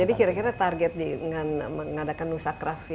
jadi kira kira target dengan mengadakan nusa krafik